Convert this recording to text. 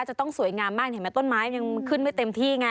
จะต้องสวยงามมากเห็นไหมต้นไม้มันขึ้นไม่เต็มที่ไง